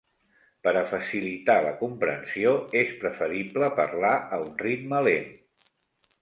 Per a facilitar la comprensió, és preferible parlar a un ritme lent.